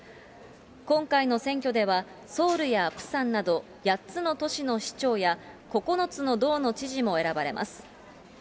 今回の選挙ではソウルやプサンなど、８つの都市の市長や９つの道の知事も選ばれます。